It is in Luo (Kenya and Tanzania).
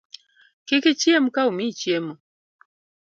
Kik ichiem ka omiyi chiemo